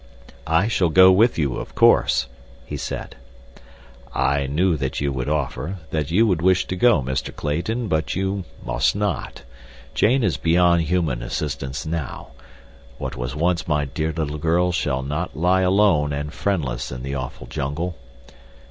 "I shall go with you, of course," he said. "I knew that you would offer—that you would wish to go, Mr. Clayton; but you must not. Jane is beyond human assistance now. What was once my dear little girl shall not lie alone and friendless in the awful jungle.